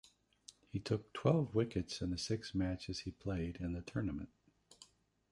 He took twelve wickets in the six matches he played in the tournament.